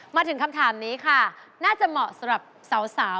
มาถึงคำถามนี้ค่ะน่าจะเหมาะสำหรับสาว